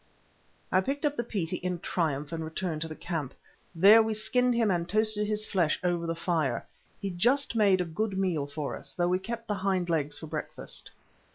I picked up the Petie in triumph, and returned to the camp. There we skinned him and toasted his flesh over the fire. He just made a good meal for us, though we kept the hind legs for breakfast.